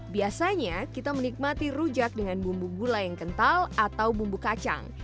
biasanya kita menikmati rujak dengan bumbu gula yang kental atau bumbu kacang